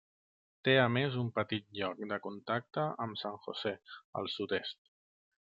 Té a més un petit lloc de contacte amb San José al sud-est.